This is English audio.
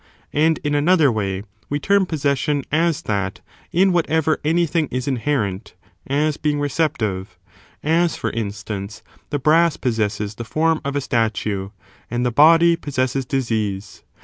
And in another way we term possession as that in whatever anything is inherent, as being receptive; as, for instance, the brass possesses the form of a statue, and the body possesses disease.